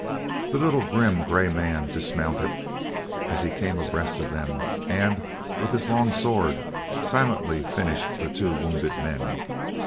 The little grim, gray man dismounted as he came abreast of them and, with his long sword, silently finished the two wounded men.